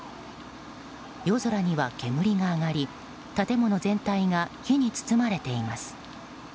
夜空には煙が上がり建物全体が火に包まれています。